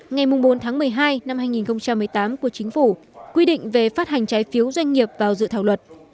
ngày bốn tháng một mươi hai năm hai nghìn một mươi tám của chính phủ quy định về phát hành trái phiếu doanh nghiệp vào dự thảo luật